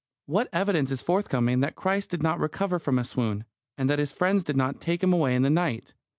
What evidence is forthcoming that Christ did not recover from a swoon, and that His friends did not take Him away in the night?